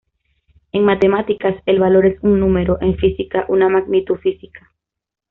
En matemáticas, el valor es un número; en física, una magnitud física.